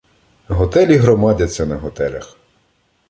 Готелі громадяться на готелях